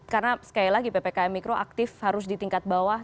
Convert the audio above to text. karena sekali lagi ppkm mikro aktif harus di tingkat bawah